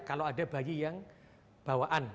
kalau ada bayi yang bawaan